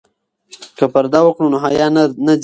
که پرده وکړو نو حیا نه ځي.